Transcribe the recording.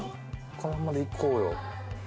このままでいこうよ。